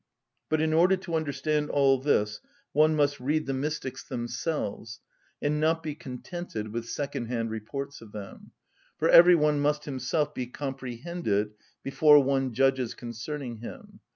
But in order to understand all this one must read the mystics themselves, and not be contented with second‐hand reports of them; for every one must himself be comprehended before one judges concerning him.